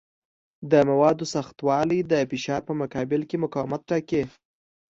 د موادو سختوالی د فشار په مقابل کې مقاومت ټاکي.